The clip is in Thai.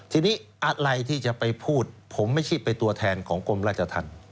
ทีนี้อะไรที่จะไปพูดผมไม่ใช่เป็นตัวแทนของกรมราชธรรม